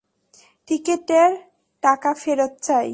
টিকেটের টাকা ফেরত চাই।